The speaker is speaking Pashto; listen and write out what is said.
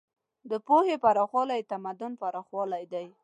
د پوهې پراخوالی د تمدن پراخوالی دی.